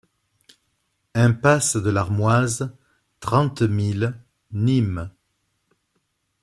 Impasse de l'Armoise, trente mille Nîmes